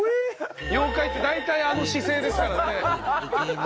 妖怪って大体あの姿勢ですからね。